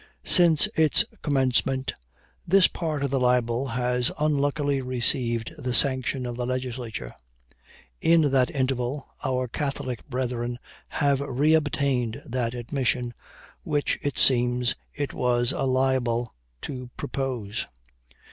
Since its commencement, this part of the libel has unluckily received the sanction of the Legislature. In that interval our Catholic brethren have re obtained that admission which, it seems, it was a libel to propose.